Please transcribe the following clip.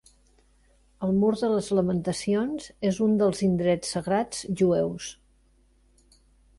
El mur de les Lamentacions és un dels indrets sagrats jueus.